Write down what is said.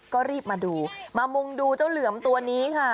ก็รีบมาดูมามุงดูเจ้าเหลือมตัวนี้ค่ะ